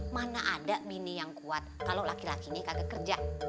mana ada bini yang kuat kalo laki lakinya kagak kerja